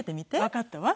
わかったわ。